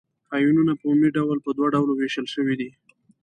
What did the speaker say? آیونونه په عمومي ډول په دوه ډلو ویشل شوي دي.